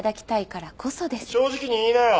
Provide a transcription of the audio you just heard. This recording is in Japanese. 正直に言いなよ。